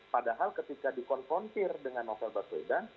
padahal ketika di konfrontir dengan novel baswedan